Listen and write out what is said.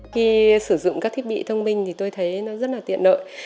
nhiều ứng dụng các thiết bị thông minh thì tôi thấy rất là tiện nợ